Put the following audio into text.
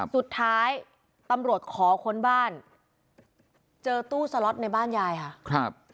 สุดท้ายตำรวจขอค้นบ้านเจอตู้สล็อตในบ้านยายค่ะครับ